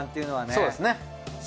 そうですね。